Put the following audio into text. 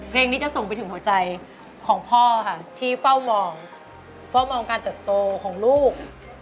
เพลงนี้จะส่งไปถึงหัวใจของพ่อค่ะที่เฝ้ามองเฝ้ามองการเติบโตของลูก